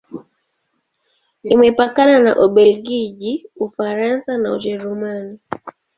Imepakana na Ubelgiji, Ufaransa na Ujerumani.